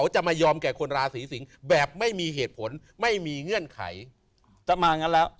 จะมางั้นแล้ว